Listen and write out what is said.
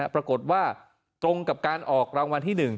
ปรากฏว่าตรงกับการออกรางวัลที่๑